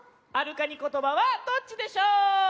「あるカニことば」はどっちでしょう？